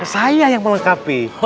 saya yang melengkapi